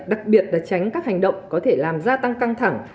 đặc biệt là tránh các hành động có thể làm gia tăng căng thẳng